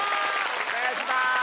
お願いします！